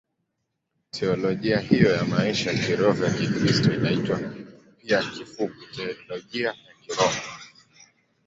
Teolojia hiyo ya maisha ya kiroho ya Kikristo inaitwa pia kifupi Teolojia ya Kiroho.